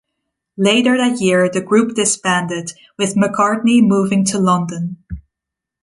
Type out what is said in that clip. Later that year the group disbanded, with McArtney moving to London.